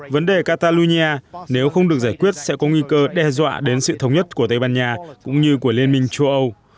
vấn đề catalonia nếu không được giải quyết sẽ có nguy cơ đe dọa đến sự thống nhất của tây ban nha cũng như của liên minh châu âu